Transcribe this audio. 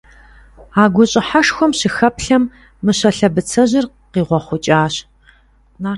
А гущӀыхьэшхуэм щыхэплъэм, Мыщэ лъэбыцэжьыр къигъуэхъукӀащ.